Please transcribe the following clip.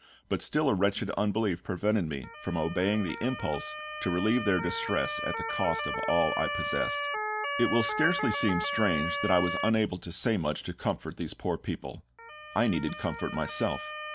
But still a wretched unbelief prevented me from obeying the impulse to relieve their distress at the cost of all I possessed. It will scarcely seem strange that I was unable to say much to comfort these poor people. I needed comfort myself.